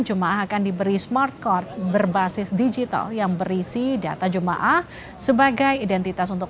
jum ah akan diberi smartcard berbasis digital yang berisi data jum ah sebagai identitas untuk